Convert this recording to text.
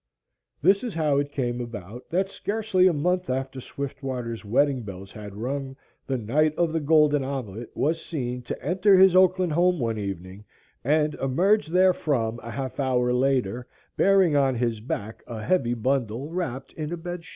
This is how it came about that scarcely a month after Swiftwater's wedding bells had rung, the "Knight of the Golden Omelette" was seen to enter his Oakland home one evening and emerge therefrom a half hour later bearing on his back a heavy bundle wrapped in a bed sheet.